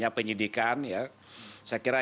saya kira yang akan